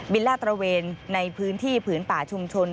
ลาดตระเวนในพื้นที่ผืนป่าชุมชน